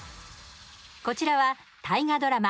こちらは、大河ドラマ